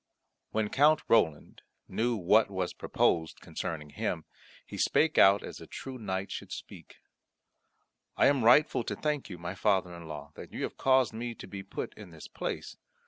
When Count Roland knew what was proposed concerning him, he spake out as a true knight should speak "I am right thankful to you, my father in law, that you have caused me to be put in this place.